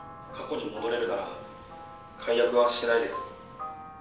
過去に戻れるなら解約はしないです。